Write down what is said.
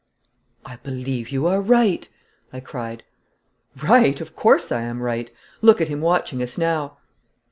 'I believe you are right!' I cried. 'Right! Of course I am right! Look at him watching us now.'